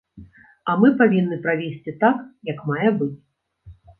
А мы павінны правесці так, як мае быць.